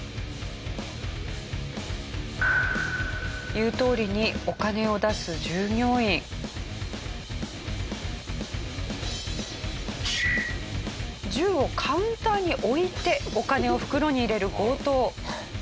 言うとおりに銃をカウンターに置いてお金を袋に入れる強盗。